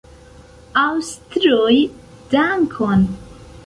Aŭstroj, dankon!